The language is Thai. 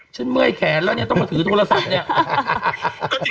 เมื่อยแขนแล้วเนี่ยต้องมาถือโทรศัพท์เนี่ย